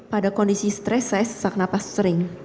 pada kondisi stres saya sesak napas sering